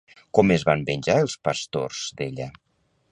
Com es van venjar els pastors d'ella?